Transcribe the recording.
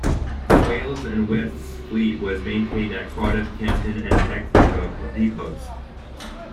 Wales and West's fleet was maintained at Cardiff Canton and Exeter depots.